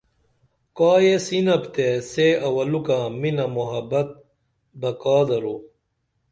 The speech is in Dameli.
کائیس یینپ تے سے اوَلُکہ مِنہ محبت بہ کا درو